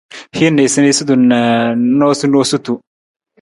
Hin niisaniisatu na noosunoosutu.